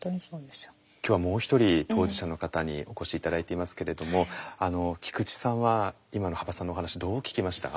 今日はもう一人当事者の方にお越し頂いていますけれども菊池さんは今の羽馬さんのお話どう聞きました？